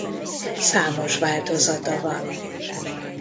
Számos változata van.